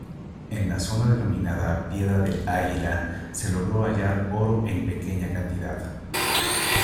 En la zona denominada Piedra del Águila, se logró hallar oro en pequeña cantidad.